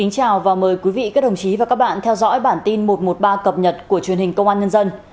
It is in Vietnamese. chào mừng quý vị đến với bản tin một trăm một mươi ba cập nhật của truyền hình công an nhân dân